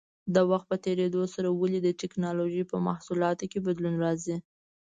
د وخت په تېرېدو سره ولې د ټېکنالوجۍ په محصولاتو کې بدلون راځي؟